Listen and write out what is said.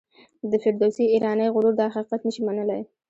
د فردوسي ایرانی غرور دا حقیقت نه شي منلای.